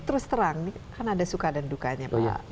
terus terang kan ada suka dan dukanya pak